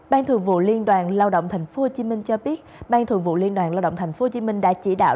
ban thường vụ liên đoàn lao động tp hcm cho biết ban thường vụ liên đoàn lao động tp hcm đã chỉ đạo